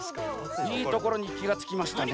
いいところにきがつきましたね。